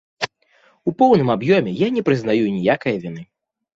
У поўным аб'ёме я не прызнаю ніякай віны.